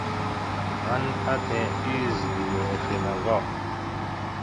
ان اتھی اِیس گھی اوڛینہ گا